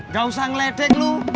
gak usah ngeledek lu